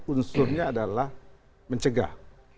unsurnya adalah mencegah